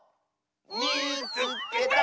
「みいつけた」！